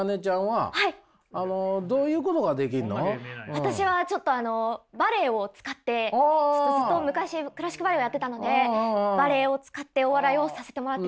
私はちょっとあのバレエを使ってずっと昔クラシックバレエをやってたのでバレエを使ってお笑いをさせてもらってて。